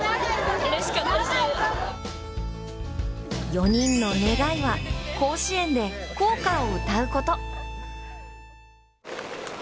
４人の願いは甲子園で校歌を歌うこと。